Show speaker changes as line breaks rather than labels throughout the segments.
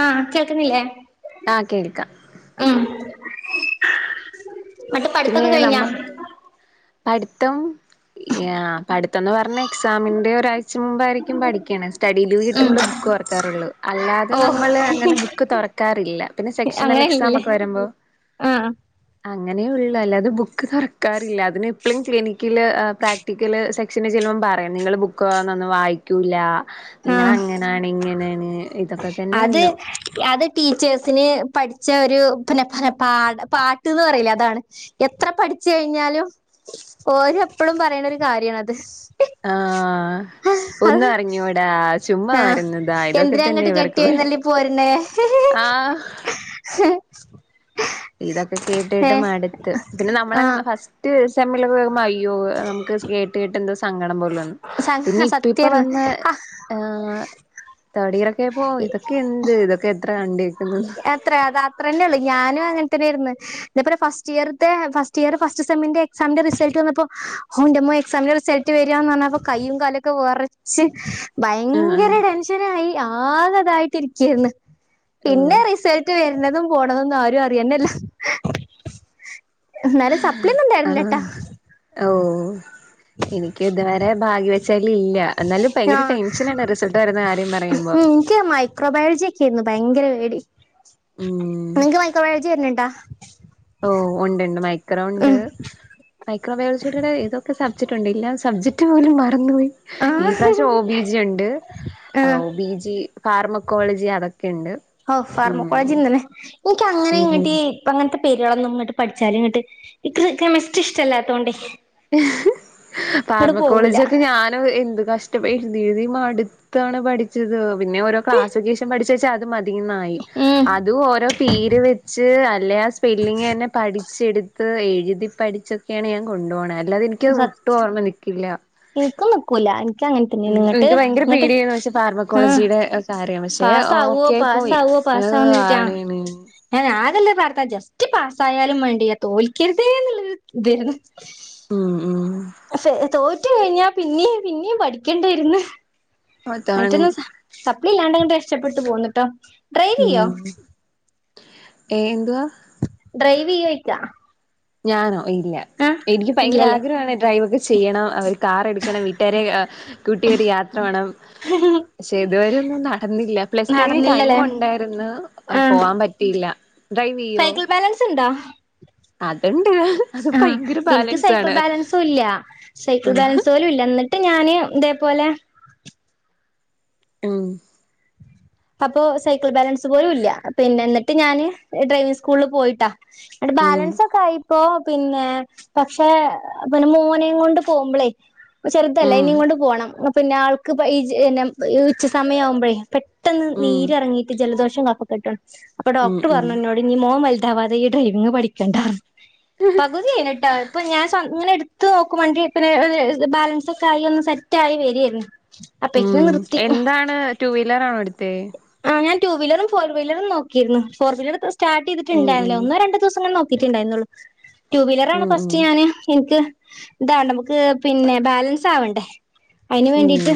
ആഹ്‌ കേൾക്കുന്നില്ലേ?
ആഹ് കേൾക്കാം
ഉം ന്നട്ട്
പിന്നെ
പഠിത്തൊക്കെ
നമ്മ
കഴിഞ്ഞോ
പഠിത്തം ആഹ്‌ പഠിത്തന്ന് പറഞ്ഞ എക്സാമിന്റെ ഒരാഴ്ച മുമ്പായിരിക്കും പഠിക്കണ സ്റ്റഡിയിലീവ്
ഉം
കിട്ടുമ്പള് ബുക്ക്റക്കാറുള്ളൂ അല്ലാതെ
ഓ
നമ്മള് അങ്ങനെ ബുക്ക് തുറക്കാറില്ല പിന്നെ സെക്ഷണൽ എക്സാം ഒക്കെ വരുമ്പോ
ആഹ്‌
അങ്ങനെ ഉള്ളൂ അല്ലാതെ ബുക്ക് തുറക്കാറില്ല അതിന് പ്പളും ക്ലിനിക്കല് പ്രാക്ടിക്കല് സെക്ഷന് ചെല്ലുമ്പം പറയും നിങ്ങള് ബുക്ക് ഒന്നും വായിക്കൂല്ല
ആഹ്
നിങ്ങളങ്ങനാണ് ഇങ്ങനെയാണ്
അത് അത് ടീച്ചേഴ്സിന് പഠിച്ച ഒരു പിന്നെ പിന്നെ പ പാട്ട്ന്ന്റയില്ലെ അതാണ് എത്ര പഠിച്ചുഴിഞ്ഞാലും ഓര് എപ്പഴും പറയണ ഒരു കാര്യണത്
ആഹ്‌ ഒന്നും അറിഞ്ഞൂടാത്
ആഹ്‌ എന്തിനാ ങ്ങട്ട്
പണി
കെട്ടിയഴ്നള്ളി പോരണേ?
ആഹ്
[inaudible]
ഇതൊക്കെ കേട്ട് ട്ട്
ഏഹ്
മടുത്ത് പിന്നെ നമ്മളെങ്ങ്
ആഹ്
ഫസ്റ്റ് മ സമേലർ അയ്യോ നമുക്ക് കേട്ട് കേട്ട് എന്താ സങ്കടപോലെ പിന്നെ
സ
ഇപ്പ ഇപ്പ
സത്യായിരുന്നു
വന്ന
ആഹ്
തേഡ് ഇയർ പ്പോ ഇതൊക്കെ എന്ത് ഇതൊക്കെ എത്ര കണ്ടേക്കുന്ന്.
അത്ര അത് അത്രന്നെയുള്ളൂ ഞാനും അങ്ങൻ തന്നെരുന്നു. ഇതേപലെ ഫസ്റ്റ് ഇയർത്തെ ഫസ്റ്റ് ഇയർ ഫസ്റ്റ് സെമിന്റെ എക്സാമിന്റെ റിസൾട്ട് വന്നപ്പോ ഹോ ഹന്റമ്മോ എസാമിന്റെ റിസൾട്ട്. വരന്ന പറഞ്ഞാപ്പൊ കൈ്യും കാലൊക്കെ വറച്ച്.
ആഹ്
ഭയങ്കര
ആഹ്
ടെൻഷനായി ആകതായിട്ടിരിക്കായിരുന്നു. പിന്നെ
ഓഹ്
റിസൾട്ട് വരുന്നതും പോണതന്നും ആരും അറിയണില്ല ന്നാലും സപ്ളിന്നുണ്ടായിരുന്നില്ലേട്ടാ
ഓഹ്‌ എനിക്ക് ഇതുവരെ ഭാഗ്യ വെ ചലി ഇല്ല എന്നാലും ഭയങ്കര
ആഹ്
ടെൻഷനാണ് റിസൾട്ട് വരുന്ന കാര്യം പറയുമ്പോ.
എനിക്ക് മൈക്രോബയോളജിയക്കെയിരുന്നു ഭയങ്കര പേടി.
ഉം
നിങ്ങക്ക് മൈക്രോബയോളജി വരണ്ണ്ടാ
ഓഹ് ഉണ്ട് ഉണ്ട് മൈക്രോ ഉണ്ട്.
ഉം
മൈക്രോബയോളജിയുടെ ഏതൊക്കെ സബ്ജക്ട് ഉണ്ട്? ല്ല സബ്ജക്റ്റ് പോലും മറന്നു പോയി. ഈ
ആഹ്
പ്രാവശ്യം ഓ ബിജി ണ്ട്
ആഹ്
ഓ ബിജി. ഫാർമക്കോളജി അതൊക്കെയുണ്ട്.
ഓഹ് ഫാർമകോളേജ്ന്നല്ലെ എനക്ക് അങ്ങനെ
ഉം
ഇങ്ങട്ട് ഇപ്പ അങ്ങനത്തെ പേരുകളളൊന്നും ഇങ്ങോട്ട് പഠിച്ചാലും ഇങ്ങട്ട് ഇ ക്രെ കെമിസ്ട്രി ഇഷ്ടല്ലാത്തോണ്ടേ ഇങ്ങട് പോവൂല
ഫാർമകോളേജ് ഒക്കെ ഞാനും എന്ത് കഷ്ടപ്പെ എഴുതി എഴുതി മടുത്ത് ന്താണ് പഠിച്ചത് പിന്നെ ഓരോ ക്ലാസ്കേഷം പഠിചേച് അത് മതിന്നായി
ഉം
അത് ഓരോ പേര് വെച്ച് അല്ലെ ആ സ്പെല്ലിങ് ന്നെ പഠിച് പടിച്ചെടുത്ത് എഴുതി പഠിച്ചൊക്കെയാണ് ഞാൻ കൊണ്ടോണത് അല്ലാതെ എനിക്ക്‌ ഒട്ടും ഓർമ്മ നിക്കില്ല.
നിക്കും നിക്കൂല എനിക്കങ്ങനെ
ഉം
തന്നെയങ്ങട്ട്
എനിക്ക് ഭയങ്കര
നിങ്ങട്ട്
പേടിയായിരുന്നു പക്ഷെ
ആഹ്
ഫാർമക്കോളജിയുടെ കാര്യം പക്ഷെ
പാസാവോ
ഓക്കെ പോയി
പാസാവോ
ഏഹ്
പാസാന്നിറ്റ.
ആണ്ണ്
ഞാനതല്ല പറഞ്ഞത് ജസ്റ്റ് പാസ്സായാലും വേണ്ടില്ല തോൽക്കരുതേ എന്നുള്ളൊരു ഇതെരുന്നു
ഉം ഉം
ശ്ശെ തോറ്റു കഴിഞ്ഞാ പിന്നേ പിന്നെയും പഠിക്കേണ്ടേരുന്ന്
അതാണ്
മറ്റൊന്നും സപ്ലി ഇല്ലാണ്ട്‌ ഇങ്ങെട്ട് രക്ഷപ്പെട്ട് പോന്നിട്ടോ
ഉം ഏന്തുവാ
ഡ്രൈവ് ചെയ്യോച്ചാ
ഞാനോ ഇല്ല എനിക്ക് ഭയങ്കര
ഇല്ലല്ലേ
ആഗ്രഹവാണ് ഡ്രൈവൊക്കെ ചെയ്യണം അവര് കാർ എടുക്കണം വീട്ടുകാരെ അ കൂട്ടിയൊരു യാത്ര പോണം പക്ഷെ ഇതുവരെ ഒന്നും നടന്നില്ല പ്ലസ് ടുവിന്
നടന്നില്ലല്ലേ
ടൈമൊണ്ടായിരുന്നു
ആഹ്
പോവാൻ പറ്റ പറ്റിയില്ല ഡ്രൈവ് ചെയ്യോ
സൈക്കിൾ ബാലൻസ്ണ്ടാ
[inaudible] അത്
ആഹ്
ഭയങ്കര
എനിക്ക്
ബാലൻസ്
സൈക്കിൾ
ആണ്
ബാലൻസുല്ല സൈക്കിൾ ബാലൻസ് പോലും ഇല്ലന്നിട്ട് ട്ട് ഞാന് ഇതേപോലെ
ഉം
അപ്പോ സൈക്കിൾ ബാലൻസ് പോലും ഇല്ല പിന്നെന്നിട്ട് ഞാന് ഡ്രൈവിംഗ് സ്കൂളില് പോയിട്ടാ ങ്ങട്ട്
ഉം
ബാലൻസ് ഒക്കെ ആയിപ്പോ പിന്നെ പക്ഷെ പിന്നെ മോനേം കൊണ്ട് പോകുമ്പളേ ചെറുതല്ലേ
ഉം
ഈനേം കൊണ്ട് പോണം പിന്നെ ആൾക്ക് ഈ ഉച്ച സമയമാവുമ്പോഴേ പെട്ടന്ന്
ഉം
നീരിറങ്ങിട്ട് ജലദോഷം കഫംക്കെട്ടും അപ്പൊ
ഉം
ഡോക്ടറു
ഉം
പറഞ്ഞു എന്നോട് മോൻ വലുതാവാതെ ഈ ഡ്രൈവിങ്ങ് പഠിക്കണ്ട പകുതിയായിനിട്ടോ ഇപ്പൊ ഞാൻ സ്വന്തം ഇങ്ങനെ എടുത്തു നോക്കും വണ്ടി പിന്നെ ബാലൻസ് ഒക്കെ ആയി ഒന്ന് സെറ്റ് ആയി വരിരുന്നു
ഉം എന്താണ് ടു വീലറാണോ എടുത്തെ?
ആ ഞാൻ ടു വീലറും ഫോർ വീലറും നോക്കിയിരുന്നു ഫോർ വീലർ സ്റ്റാർട്ട്
ഉം
ചെയ്തിട്ടിണ്ടാരുന്നില്ല ഒന്ന് രണ്ട് ദിവസംങ്ങന നോക്കി ട്ടണ്ടായിരുന്നുള്ളു ടൂ വീലറാണ്
ഉം ഉം
ഫസ്റ്റ് ഞാന് നിക്ക് ഇതാണ്ടേ നമുക്ക് പിന്നെ ബാലൻസ് ആവണ്ടേ അയിന്
ഉം
വേണ്ടിട്ട്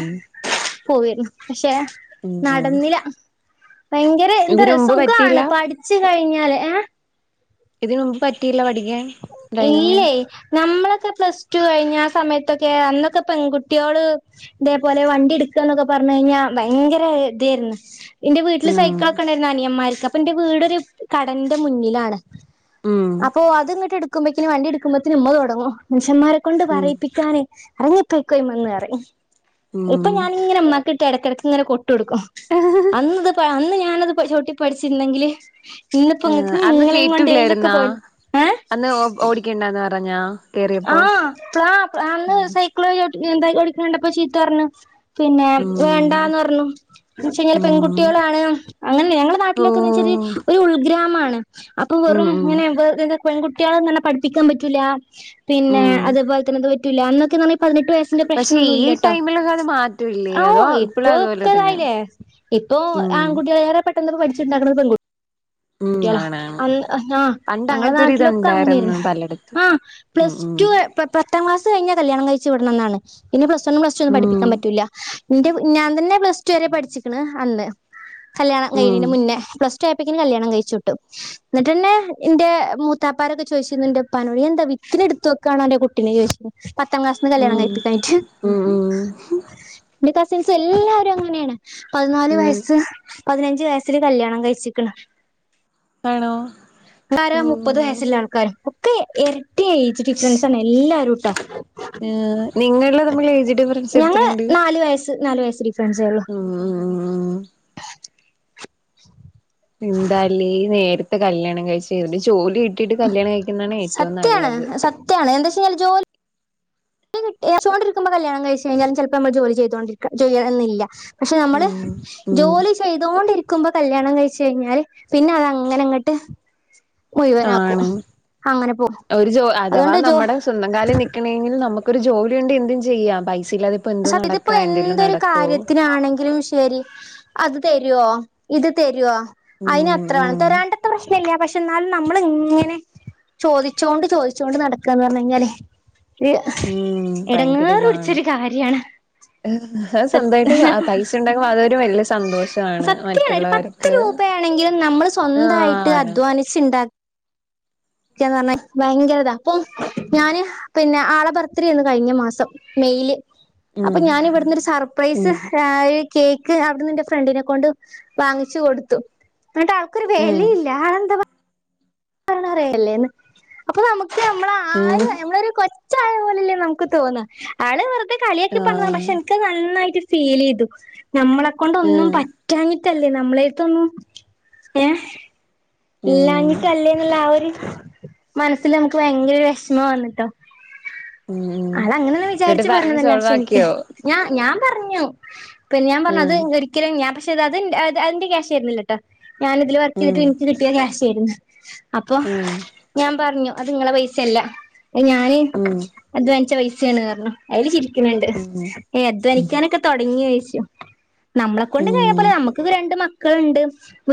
പോയിരുന്നു പക്ഷെ
ഉം ഉം
നടന്നില്ല ഭയങ്കര എന്താ
ഇതിന്
പറയാ
മുമ്പ് പറ്റിയില്ല
സുഖാണ് പഠിച്ചു കഴിഞ്ഞാല് ഏ
ഇതിന് മുമ്പ് പറ്റിയില്ല പഠിക്കാൻ ഡ്രൈവിങ്
ഇല്ല്യേ നമ്മളൊക്കെ പ്ലസ് ടു കഴിഞ്ഞ ആ സമയത്തൊക്കെ അന്നൊക്കെ പെൺകുട്യോള് ഇതേപോലെ വണ്ടി എടുക്കുവാന്നൊക്കെ പറഞ്ഞു കയിഞ്ഞാ ഭയങ്കര ഇതായിരുന്നു എന്റെ വീട്ടില്
ഉം
സൈക്കിളൊക്കെ ഉണ്ടായിരുന്നു അനിയന്മാർക്ക് അപ്പൊ എന്റെ വീടൊരു കടലിന്റെ മുന്നിലാണ്
ഉം
അപ്പൊ അതിങ്ങട്ട് എടുക്കുമ്പക്കും വണ്ടി എടുക്കുമ്പോത്തന് ഉമ്മ തുടങ്ങും മനുഷന്മാരൊക്കെ കൊണ്ട്
ഉം
പറയിപ്പിക്കാനെ അറിങ്ങപ്പോക്കോ അയിന്മന്ന് പറയും ഇപ്പൊ
ഉം
ഞാനിങ്ങനെ മ്മാക്കിട്ട് ഇടക്കിടക്ക് ഇങ്ങനെ കൊട്ടു കൊടുക്കും അന്ന്ത് അന്ന് ഞാനത് ചവിട്ടി പഠിച്ചിരുന്നെങ്കില് ഇന്നിപ്പോ ഇങ്ങക്ക്
അന്ന്
നിങ്ങളെയും കൊണ്ട്യിലൊക്കെ
കേറ്റൂലായിരുന്നാ
പോയിരു ഏ
അന്ന് ഓ ഓടിക്കേണ്ടന്ന് പറഞ്ഞാ? കേറിയപ്പോ
ആഹ് അ അന്ന്
ഉം
സൈക്കിള് ചവിട്ടി എന്തായി ഓടിക്കണണ്ടപ്പൊ ചീത്ത പറഞ്ഞ് പിന്നെ
ഉം
വേണ്ടാന്ന് പറഞ്ഞു എന്ന് വെച്ചേയിന്നാല് പെൺകുട്ടികളാണ് അങ്ങനെ ഞങ്ങളുടെ
ഓ
നാട്ടിലൊക്കെന്ന് വെച്ചാല് ഒരു ഉൾഗ്രാമാണ് അപ്പൊ
ഉം
വെറും
ഉം
ഇങ്ങനെ വെ ഇത് പെൺകുട്ടികളങ്ങനെ പഠിപ്പിക്കാൻ പറ്റൂല പിന്നെ
ഉം
അതുപോലത്തന്നെ ന്ത് പറ്റൂല്ല അന്നൊക്കെന്ന് പറഞ്ഞാ പതിനെട്ട് വയ സിന്റെ
പക്ഷെ ഈ
പ്രശ്നൊന്നുംല്ലട്ടോ
ടൈമിലൊക്കെ അത് മാറ്റൂല്ലേ
ആ
അതോ ഇപ്പളും അതുപോലെ തന്നെ
ഇപ്പൊക്കെതായില്ലേ? ഇപ്പൊ
ഉം
ആൺകുട്ടികളേറെ പെട്ടെന്ന് പഠിച്ചിണ്ടാക്കണത് പെൺകുട്ടി
ഉം
ട്ടികളാ
ആണാണ്
അന്ന് ആ ഞാ
പണ്ട്
ഞങ്ങളെ
അങ്ങനത്തെ ഒരു
നാട്ടിലൊക്കെ
ഇതുണ്ടായിരുന്നു
അങ്ങനെരുന്നു
പലയിടത്തും
ആഹ്
ഉം
പ്ലസ് ടു പ്ലസ് പത്താം ക്ലാസ് കഴിഞ്ഞാല് കല്യാണം കയിച്ച് വിടണംന്നാണ് പിന്നെ പ്ലസ് വൺ പ്ലസ് ടു ഒന്നും
ഉം
പഠിപ്പിക്കാൻ പറ്റൂല ന്റെ ഞാൻ തന്നെ പ്ലസ് ടു വരെ പഠിച്ചിക്കണ് അന്ന് കല്യാണം
ഉം ഉം
കഴിഞ്ഞെന്റ മുന്നേ പ്ലസ് കല്യാണം കയിച്ചുവിട്ട് ന്നിട്ട് എന്നെ എന്റെ മൂത്താപ്പാരൊക്കെ ചോദിച്ചിരുന്നു ന്റെ ഉപ്പനോട് നീ എന്താ വിത്തിന് എടുത്ത് വക്കാണോ അന്റെ കുട്ടിനെ നീയ് പത്താം ക്ലാസ്സിന്ന് കല്യാണം
ഉം
കഴിപ്പിക്ക കഴിച്ചു
ഉം ഉം
എന്റെ കസിൻസ് എല്ലാരും അങ്ങനെയാണ് പതിനാല്
ഉം
വയസ്സ് പതിഞ്ച് വയസ്സില് കല്യാണം കഴിച്ചിക്കണ്
ആണോ?
കാര മുപ്പത്
ഉം
വയസ്സിള്ള ആൾക്കാര് ഒക്കെ ഏഴ് ഏജ് ഡിഫറൻസ് ആണ് എല്ലാരും ട്ടാ
ഉം നിങ്ങള് തമ്മിൽ ഏജ് ഡിഫറൻസ് എത്ര ഇണ്ട്?
നാല് വയസ് നാല് വയസ് ഡിഫറൻസേ ഒള്ളൂ
ഉം.. ഉം ഉം
അ
എന്താലേ ഈ നേരത്തെ കല്യാണം കഴിച്ച് ജോലി കിട്ടീട്ട് കല്യാണം കഴിക്കുന്നതാണ് ഏറ്റവും നല്ലത്
റ്റാണ് എന്ത് ചാല് ജോ ലി കിട്ടിയാ സ്വാതന്ത്ര്യം ഇരിക്കുമ്പോ കല്യാണം കഴിച്ച് കഴിഞ്ഞാലും ചിലപ്പോ നമ്മള് ജോലി ചെയ്തൊണ്ടിരിക്കണം ചെയ്യണം എന്നില്ല പക്ഷെ നമ്മള്
ഉം ഉം
ജോലി ചെയ്തോണ്ടിരിക്കുമ്പോ കല്യാണം കഴിച്ച് കഴിഞ്ഞാല് പിന്നെ അത് അങ്ങനെ അങ്ങട്ട് മുയുവനാക്കും
ആണ്
അങ്ങനെ പോ
ഒരു ജോ അഥവാ
അതുകൊണ്ട് ജോ
നമ്മുടെ സ്വന്തം കാലേൽ നിക്കണങ്കിൽ നമുക്ക് ഒരു ജോലി ഒണ്ടേ എന്തും ചെയ്യാം പൈസയില്ലാതെ
സത്യത്തി ഇപ്പോ എന്തൊരു കാര്യത്തിന് ആണെങ്കിലും ശരി അത് തരുവോ ഇത് തരുവോ
ഉം
അതിന് അത്ര വേണം
ഉം
തരാണ്ടത്ര പ്രശ്ന ഇല്ല പക്ഷ പക്ഷെ എന്നാലും നമ്മള് ഇങ്ങനെ ചോദിച്ചോണ്ട് ചോദിച്ചോണ്ട് നടക്ക എന്ന് പറഞ്ഞ് കഴിഞ്ഞാലേ ഇത് ഹ്
ഉം
ഇടങ്ങേറ് പിടിച്ചൊരു കാര്യാണ്
ഹ്
സത്
സ്വന്തയിട്ട് പൈസ ഉണ്ടാകുമ്പോ അതൊരു വലിയ സന്തോഷാണ് മറ്റുള്ളവര്
ത്ത് രൂപയാണെങ്കിലും നമ്മള് സ്വന്തമായിട്ട്
ആണ്
അധ്വാനിച്ചുണ്ടാക്ക ഇക്ക എന്ന് പറഞ്ഞ ഭയങ്കരതാ അപ്പം ഞാന് പിന്നെ ആളെ ബർത്ത്ഡേന്ന് കയിഞ്ഞ മാസം മെയില് അപ്പൊ
ഉം
ഞാന് ഇവിടുന്ന് ഒരു സർപ്രൈസ്
ഉം
ഴാഴി കേക്ക് അതും എന്റെ ഫ്രണ്ടിനെ കൊണ്ട് വാങ്ങിച്ചു കൊടുത്തു എന്നിട്ട് ആൾക്കൊരു വെല
ഉം
ഇല്ല ആളെന്താ പ തോർന്ന് പറയല്ലേന്ന് അപ്പൊ നമുക്ക് നമ്മള
ഏഹ്
ഒരു കൊച്ച് ആയ പോലല്ലേ നമുക്ക് തോന്ന ആള് വെറുതെ കളിയാക്കി പറഞ്ഞത് ആണ്
ആഹ്
പക്ഷെ എനക്ക് ട്ട് നന്നായിട്ട് ഫീൽ ചെയ്തു നമ്മളെ കൊണ്ട് ഒന്നും
ഉം
പ റ്റാഞ്ഞിട്ടല്ലേ നമ്മളെത്തൊന്നു ഏഹ്
ഉം
ഇല്ലാഞ്ഞിട്ട് അല്ലേന്നാ ഒരു മനസ്സിൽ നമുക്ക് ഭയങ്കര വിഷമം വന്നിട്ടോ
ഉം ഉം
അത് അങ്ങനെ ഒന്ന്
എന്നിട്ട്
വിചാരിച്ച്
പറഞ്ഞ്
പറഞ്ഞതല്ല
സോൾവ്
പക്ഷെ എനിക്ക്
ആക്കിയോ
ഞാൻ ഞാൻ പറഞ്ഞു പിന്നെ ഞാൻ പറഞ്ഞു
ഉം
അത് ഒരിക്കലും ഞാൻ പക്ഷെ അതി അതിന്റെ ക്യാഷ് തരുന്നില്ല എന്ന് ട്ട ഞാനിതില് വർക്ക്
ഉം
ചെയ്തിട്ട് എൻ കാശിയെരുന്നു അപ്പൊ
ഉം
ഞാൻ പറഞ്ഞു അത് നിങ്ങളെ പൈസല്ല അയ്ഞാന്
ഉം
അധ്വാനിച്ച പൈസയാണ് അയില് ചിരിക്കണ് ഒണ്ട്
ഉം
ഏഹ് അധ്വനിക്കാനൊക്കെ തൊടങ്ങിയോ എന്ന് ചോദിച്ചു നമ്മളെ കൊണ്ട് കഴ
ഉം
പോലെ നമുക്ക് രണ്ട് മക്കളുണ്ട്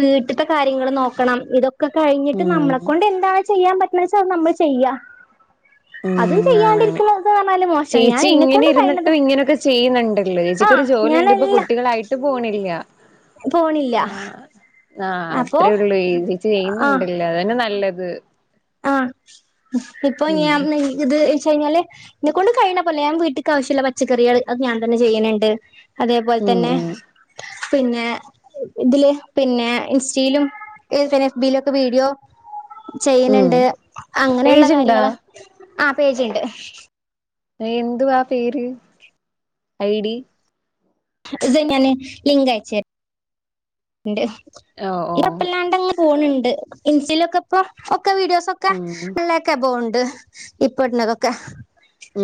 വീട്ടത്തെ കാര്യങ്ങൾ നോക്കണം ഇതൊ ഒക്കെ കഴിഞ്ഞിട്ട് നമ്മളെ
ഉം
കൊണ്ട് എന്താണ് ചെയ്യാൻ പറ്റണെ എന്ന് വെച്ചാ നമ്മള് ചെയ്യാ അതും
ഉം ആണ്
ചെയ്യാണ്ടിരിക്കുന്നത് എന്ന് പറഞ്ഞാല് മോശം ഞാൻ
ചേച്ചി
ഇന്നെ
ഇങ്ങനെ
കൊണ്ട് കഴിണത്
ച്ചക്ക് ഒരു ജോലി ഇണ്ട് ഇപ്പൊ കുട്ടികളായിട്ട് പോണില്ല
പോണില്ല
ആഹ് ആഹ്
അപ്പൊ
അത്ര ഒള്ളെ ഈ
ആഹ്
ചെയ്യുന്നുണ്ടല്ല അതന്നെ നല്ലത്
ആഹ് ഇപ്പൊ
ഉം
ഞാനെ ഇത് വെച്ച് കഴിഞ്ഞാല് ഇന്നെ കൊണ്ട് കഴിയണ പോല ഞാ വീട്ടക്ക് ആവിശ്യം ഒള്ള പച്ചക്കറികള് അത് ഞാൻ തന്നെ ചെയ്യണണ്ട് അതേപോൽ
ഉം
തന്നെ
ഉം
പിന്നെ ഇതില് പിന്നെ ഇൻസ്റ്റീലും പിന്നെ എഫ്ബീലൊക്കെ വീഡിയോ
ഉം
ചെയിന്ണ്ട് അങ്ങനെള്ള
പേജുണ്ടാ
കാര്യങ്ങള് ആ പേജ്ണ്ട്
എന്തുവാ പേര് ഐ ഡി
ഇത് ഞാന് ലിംഗയച്ചെര് ഇണ്ട്
ഓ ഓ
ഇപ്പകൊയപ്പല്ലാണ്ടങനെ പോണ് ഇണ്ട് ഇൻസ്റ്റേ ലൊക് ഇപ്പൊ ഒക്കെ വീഡിയോസൊക്കെ
ഉം
ടെൻലാക് എബോവ് ഇണ്ട് ഇപ്പെട്ണതൊക്കെ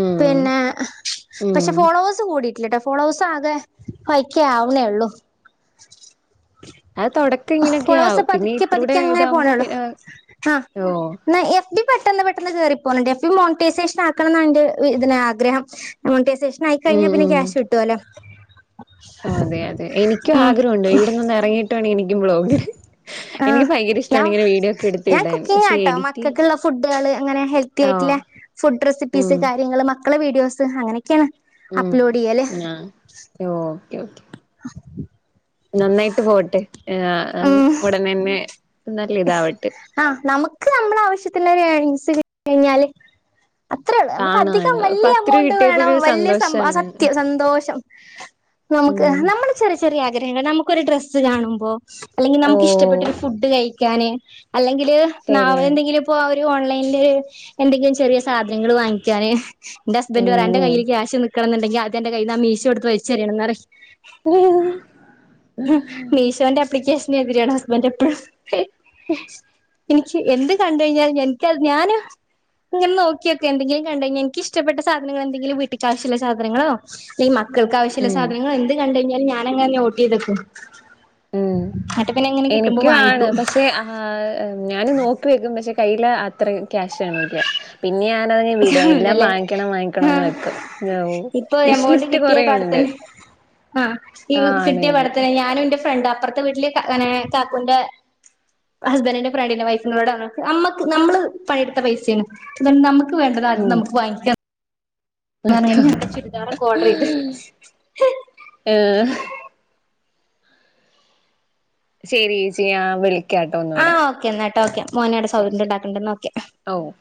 ഉം
പിന്നെ
ഉം
പക്ഷെ ഫോളോവേഴ്സ് കൂടീട്ട് ഇല്ലട്ടോ ഫോളോവേസാകെ ഫൈവ് കെ ആവ്ണേള്ളു [unintelligible]
അത് തൊടക്കങ്ങനെയൊക്കെയാവും
ഫോളോവേഴ്സ്
പിന്നെ
പതുക്കെ
ഇതിരികൂടെ
പതുക്കെ അങ്ങനെ
ഇതാവുമ്പം
പോണേള്ളൂ
പി ഏ
ആഹ് ന്നാ എഫ് ബി പെട്ടന്ന് പെട്ടെന്ന് കേറി പോണ്ണ്ട് എഫ് ബിം മോണിറ്റൈസേഷൻ ആക്കണംന്നാ ഇന്റെ ഇതിന് ആഗ്രഹം മോണിറ്റെ മോണിറ്റേഷനായി
ഉം
കഴിഞ്ഞാ പിന്നെ
ഉം
ക്യാഷ് കിട്ടോലൊ
ഓ അതെ അതെ എനിക്കും
ഉം
ആഗ്രഹവുണ്ട് ഇവിട്ന്നൊന്നെ റങ്ങയിട്ട് വേണം എനിക്കും വ്ലോഗ്ടാൻ
ആഹ് ഞ
എടുത്ത്
ഞാൻ
ഇടാൻ പക്ഷെ
കുക്കിംങ്ങാട്ടോ
എഡിറ്റിംഗ്
മക്കക്ക്ള്ള ഫുഡാള് അങ്ങനെ ഹെൽത്
ഓ
വൃത്തിയായിട്ട്ള്ളെ ഫുഡ്
ഉം
റെസിപ്പീസ് കാര്യങ്ങള് മക്കളെ വീഡിയോസ് അങ്ങനൊക്കേണ്
മ്മ് ആഹ് ഓക്കെ ഓക്കേ
[unintelligible]
നന്നായിട്ട് പോട്ടെ ഏ
ഉം
ഒടനെന്നെ നല്ലിതാവട്ട്
ആഹ് നമുക്ക് നമ്മളാവശ്യത്തിനൊര് ഏണിങ്സ് കിട്ടി കഴിഞ്ഞാല് അത്രേള്ളൂ നമുക്ക് അധികം
കാണാണ്
വല്ല്യ
പത്ത് രൂപ
എമൗണ്ട് വേണം
കിട്ടിയപ്പോരു
വല്ല്യ സംബ് ആ
സന്തോഷാണ്
സത്യം സന്തോഷം നമുക്ക്
ഉം
ഹ് നമ്മളെ ചെറിയ ചെറിയ ആഗ്രഹങ്ങൾ നമുക്കൊരു ഡ്രസ്സ് കാണുമ്പോ അല്ലെങ്കിൽ നമുക്ക്
ഓഹ്
ഇഷ്ടപ്പെട്ടൊരു ഫുഡ് കഴിക്കാന് അല്ലെങ്കിൽ നാവ്
ശരിയാണ്
എന്തെങ്കിലും ഇപ്പൊ ഒര് ഓൺലൈൻല് എന്തെങ്കിലും ചെറിയ സാധനങ്ങൾ വാങ്ങിക്കാന് ഇന്റസ്ബന്റ് പറിം അൻ്റെ
ഉം
കയ്യില് ക്യാഷ് നിക്കണംന്ന്ണ്ടെങ്കി ആദ്യന്റെ കയ്യിന്ന് ആ മീശോട്ത്ത് വൽചെറിയണംന്നറിം
ഉം
ഹും മീശോന്റെ അപ്ലിക്കേഷന് എതിരാണ് ഹസ്ബൻ്റ് എപ്പഴും എനിക്ക് എന്ത് കണ്ട് ഴിഞ്ഞാൽ എനിക്കത് ഞാന് ഇങ്ങന നോക്കിയെക്കും. എന്തെങ്കിലും കണ്ടയിഞ്ഞാ ഇൻക്ക് ഇഷ്ടപെട്ട സാധനങൾ എന്തെങ്കിലും വീട്ടിക്കാവശ്യള്ള സാധനങ്ങളോ ഈ മക്കൾക്കാവശ്യള്ള സാധനങ്ങളൊ എന്ത് കണ്ട്ഴിഞ്ഞാലും ഞാനങ്ങനെ നോട്ടെയ്തക്കും
ഉം
ന്നട്ട് പിന്നെങ്ങനെ കിട്ടുമ്പോ വാങ്ങിക്കും
തേ ആ ഹ് ഞാനും നോക്കി വെക്കും പക്ഷെ കയ്യില് അത്രേം ക്യാഷ് കാണൂല പിന്നെ ഞാനതിനെ വിടും എല്ലാം
കാണൂലല്ലേ
വാങ്ങിക്കണം വാങ്ങിക്കണംന്ന്
ആഹ്
വെക്കും ഓ
ഇപ്പൊ
വിഷ്
എമൗണ്ട്
ലിസ്റ്റ്
കിട്ടിയ
കൊറേണ്ട്
പാടത്തന്നെ ആഹ് ഈ കിട്ടിയപാടത്തന്നെ ഞാനും ഇന്റെ ഫ്രണ്ട് അപ്പർത്തെ വീട്ടില് കാ ഏ കാക്കൂൻ്റെ ഹഹ്ബൻ്റ്ൻ്റെ ഫ്രഡിൻ്റെ വൈഫിനോടർഞ്ഞു അമ്മക് നമ്മള് പണിട്ത്ത പൈസേണ് ഇതോണ്ട് നമ് ക് വേണ്ടതാദ്യം നമ്മക് വാങ്ങിക്യ
അഥാ
ചുരിദാറൊക്കെ ഓർഡർ ചെയ്ത്
ഹ് ഏ ശെരിയേച്ചി ആഹ് വിളി
ആ ഓക്കെ ന്നാ ട്ടോ ഓക്കെ മോനടെ സൗണ്ട്ണ്ടാക്ണ്ട് ന്നാ ഓക്കെ
ലോഹ്